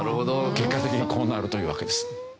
結果的にこうなるというわけです。